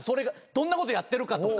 どんなことやってるかとか。